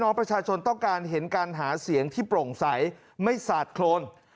ประชาชนต้องการเห็นการหาเสียงที่โปร่งใสไม่สาดโครน